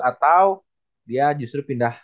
atau dia justru pindah